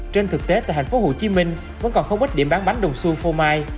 trên thực tế tại hành phố hồ chí minh vẫn còn không ít điểm bán bánh đồng xuông phô mai